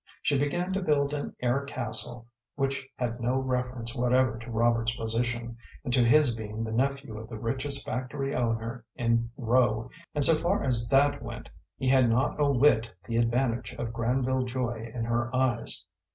She began to build an air castle which had no reference whatever to Robert's position, and to his being the nephew of the richest factory owner in Rowe, and so far as that went he had not a whit the advantage of Granville Joy in her eyes.